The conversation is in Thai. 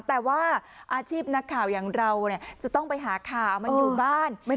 แต่ว่าอาชีพนักข่าวอย่างเราจะต้องไปหาข่าวมันอยู่บ้าน